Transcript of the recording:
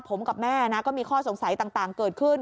ผมกับแม่นะก็มีข้อสงสัยต่างเกิดขึ้น